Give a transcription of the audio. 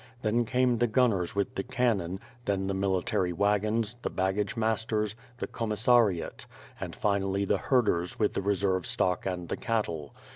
Then came the gunners with the cannon; then the military wagons, the baggage masters, the commissariat; and finally the herders with the resers'C stock and the cattle.